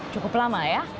cukup lama ya